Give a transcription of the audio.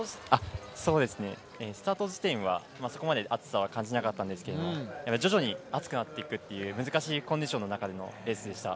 スタート時点はそこまで暑さは感じなかったんですけど徐々に暑くなっていくという難しいコンディションの中でのレースでした。